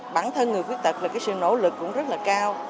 bản thân người khuyết tật là cái sự nỗ lực cũng rất là cao